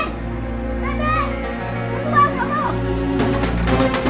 nah ini kamu biar kerapnya